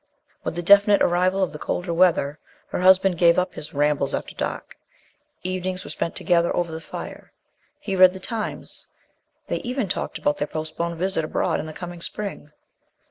With the definite arrival of the colder weather her husband gave up his rambles after dark; evenings were spent together over the fire; he read The Times; they even talked about their postponed visit abroad in the coming spring.